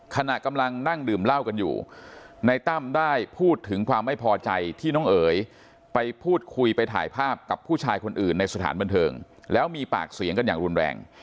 ขณะกำลังนั่งดื่มเหล้ากันอยู่ในตั้มได้พูดถึงความไม่พอใจที่น้องเอ๋ยไปพูดคุยไปถ่ายภาพกับผู้ชายคนอื่นในสถานบันเทิงแล้วมีปากเสียงกันอย่างรุนแรง